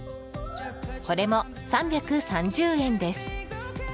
これも３３０円です。